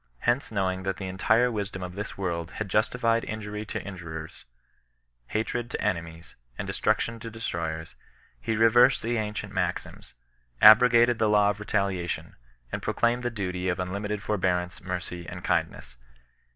Hence knowing that the entire wisdom of this world had justified injury to in jurers, hatred to enemies, and destruction to destroyers, he reversed the ancient maxims, abrogated the law of re ' taliation, and proclaimed the duty of unlimited forbear ance, mercy, and kindness.